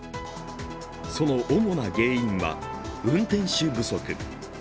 その主な原因は運転手不足。